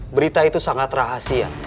berita itu sangat rahasia